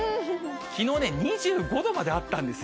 きのう２５度まであったんですよ